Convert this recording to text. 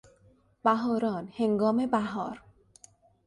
بهاران، هنگام بهار